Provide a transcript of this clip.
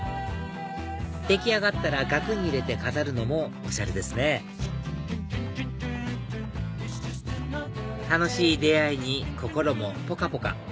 出来上がったら額に入れて飾るのもおしゃれですね楽しい出会いに心もぽかぽか